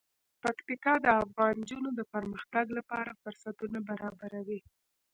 پکتیکا د افغان نجونو د پرمختګ لپاره فرصتونه برابروي.